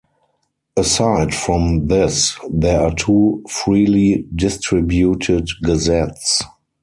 Aside from this there are two freely distributed gazettes.